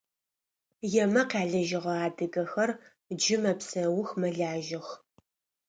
Емэ къялыжьыгъэ адыгэхэр джы мэпсэух, мэлажьэх…